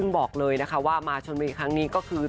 บอกเลยนะคะว่ามาชนบุรีครั้งนี้ก็คือ